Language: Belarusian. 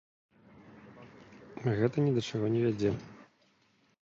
Гэта ні да чаго не вядзе.